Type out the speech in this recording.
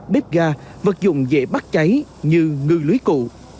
bếp ga vật dụng dễ bắt cháy như ngư lưới cụ